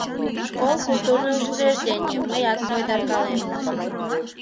Школ — культурный учреждений, — мыят койдаркалем.